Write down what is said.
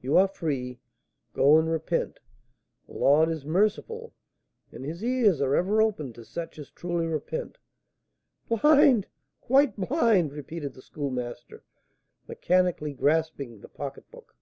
You are free! Go and repent; the Lord is merciful, and his ears are ever open to such as truly repent." "Blind! quite blind!" repeated the Schoolmaster, mechanically grasping the pocketbook.